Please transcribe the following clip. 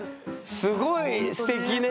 すごいすてきね。